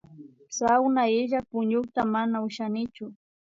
Sawna illak puñuyta mana ushanichu